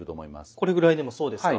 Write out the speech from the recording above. これぐらいでもそうですか？